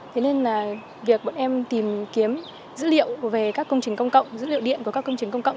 thế nên là việc bọn em tìm kiếm dữ liệu về các công trình công cộng dữ liệu điện của các công trình công cộng